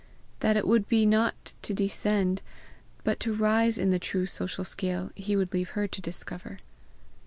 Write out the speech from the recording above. That it would not be to descend but to rise in the true social scale he would leave her to discover.